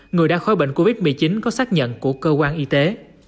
người đang khói bệnh covid một mươi chín có xác nhận của cơ quan y tế